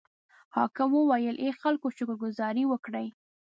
حاکم وویل: ای خلکو شکر ګذاري وکړئ.